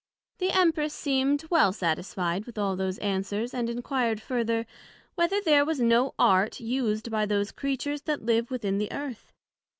The Empress seem'd well satisfied with all those answers, and enquired further, Whether there was no Art used by those Creatures that live within the Earth?